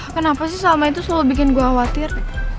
kenapa sih salma itu selalu bikin gue khawatir